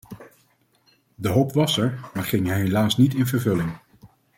De hoop was er, maar ging helaas niet in vervulling.